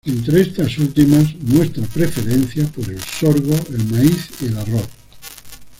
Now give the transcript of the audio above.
Entre estas últimas muestra preferencia por el sorgo, el maíz y el arroz.